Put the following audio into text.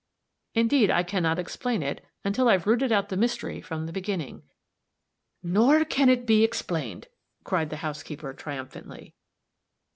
"Indeed, I can not explain it, until I've rooted out the mystery from the beginning." "Nor it can't be explained," cried the housekeeper, triumphantly.